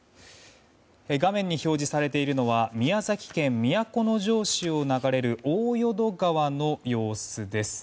画面に表示されているのは宮崎県都城市を流れる大淀川の様子です。